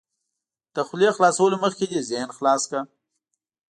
له خولې خلاصولو مخکې دې ذهن خلاص کړه.